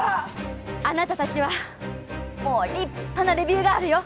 あなたたちはもう立派なレビューガールよ。